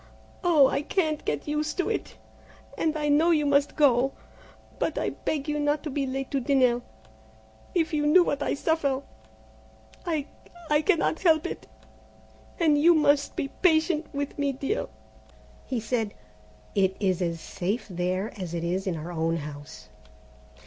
"Oh, I can't get used to it, and I know you must go, but I beg you not to be late to dinner. If you knew what I suffer! I I cannot help it, and you must be patient with me, dear." He said, "It is as safe there as it is in our own house."